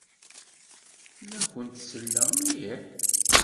La akent-selleɣ mliḥ.